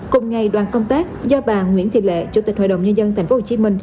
cùng ngày đoàn công tác do bà nguyễn thị lệ chủ tịch hội đồng nhân dân tp hcm